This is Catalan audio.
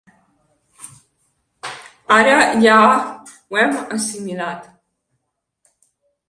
Ara ja ho hem assimilat.